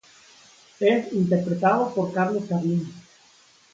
Es interpretado por Carlos Carlín.